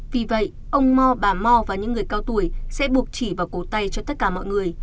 vì vậy ông mo bà mo và những người cao tuổi sẽ buộc chỉ vào cầu tay cho tất cả mọi người